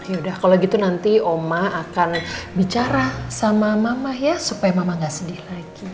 yaudah kalau gitu nanti oma akan bicara sama mama ya supaya mama gak sedih lagi